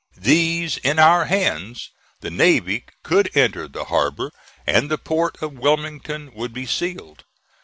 These in our hands, the navy could enter the harbor, and the port of Wilmington would be sealed.